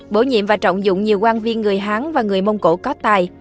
bổ nhiệm và trọng dụng nhiều quang viên người hán và người mông cổ có tài